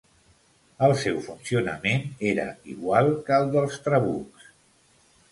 El seu funcionament era igual que el dels trabucs.